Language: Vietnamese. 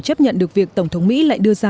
chấp nhận được việc tổng thống mỹ lại đưa ra